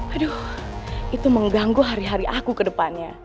aduh itu mengganggu hari hari aku ke depannya